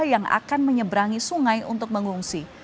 yang akan menyeberangi sungai untuk mengungsi